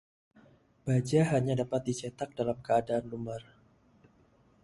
baja hanya dapat dicetak dalam keadaan lumer